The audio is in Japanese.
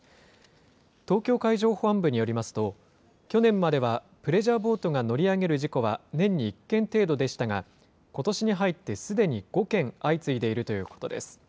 東京海上保安部によりますと、去年まではプレジャーボートが乗り上げる事故は年に１件程度でしたが、ことしに入ってすでに５件相次いでいるということです。